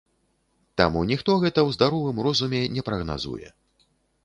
Таму ніхто гэта ў здаровым розуме не прагназуе.